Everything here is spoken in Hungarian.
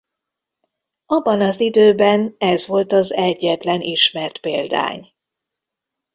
Abban az időben ez volt az egyetlen ismert példány.